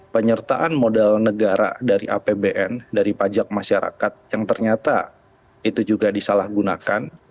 penyertaan modal negara dari apbn dari pajak masyarakat yang ternyata itu juga disalahgunakan